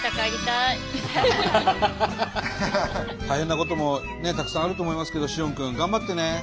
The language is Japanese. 大変なこともたくさんあると思いますけど詩音君頑張ってね。